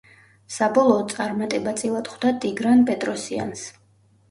საბოლოოდ წარმატება წილად ხვდა ტიგრან პეტროსიანს.